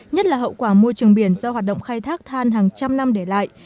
nhất là hậu quả môi trường biển do hoạt động khai thác than hàng trăm năm để lại